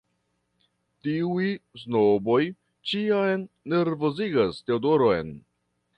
Tiuj snoboj ĉiam nervozigas Teodoron.